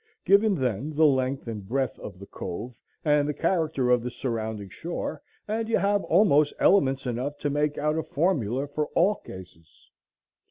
Given, then, the length and breadth of the cove, and the character of the surrounding shore, and you have almost elements enough to make out a formula for all cases.